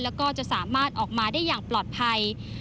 แล้วก็จะสามารถออกมาได้อย่างปลอดภัย